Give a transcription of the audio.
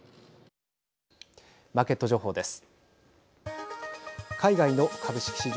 マーケット情報です。